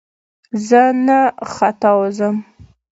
زه نه ختاوزم !